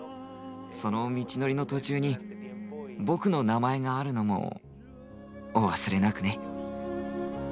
その道のりの途中に僕の名前があるのもお忘れなくね。